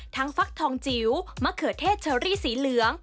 ฟักทองจิ๋วมะเขือเทศเชอรี่สีเหลือง